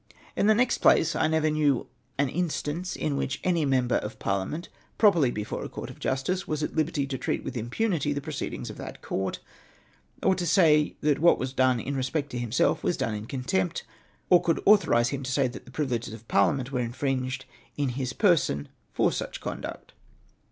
In the next place I never knew an instance in which any member of parliament, properly before a court of justice, was at liberty to treat with impunity the proceedings of that court, or to say that what was done in respect to himself was done in contempt, or that could authorise him to say that the privileges of par liament were infringed in his person for such conduct.